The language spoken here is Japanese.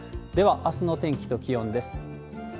では、あすの天気と気温です。